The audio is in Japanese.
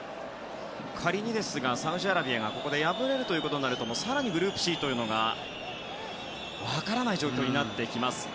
仮にですがサウジアラビアがここで敗れると更にグループＣというのは分からない状況になってきます。